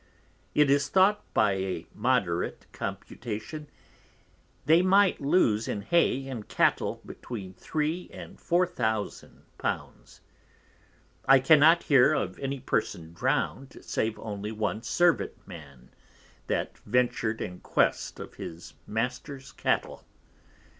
It is thought by a Moderate Computation, they might lose in Hay and Cattle between 3 and 4000 l. I cannot hear of any Person drowned, save only one Servant Man, that ventur'd in quest of his Master's Cattle.